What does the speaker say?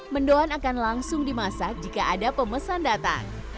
mendoan akan langsung dimasak jika ada pemesan datang